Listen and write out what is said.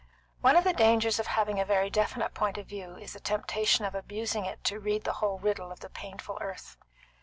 One of the dangers of having a very definite point of view is the temptation of abusing it to read the whole riddle of the painful earth.